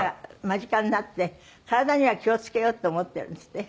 間近になって体には気を付けようと思ってるんですって？